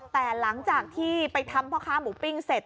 แต่หลังจากที่ไปทำพ่อค้าหมูปิ้งเสร็จ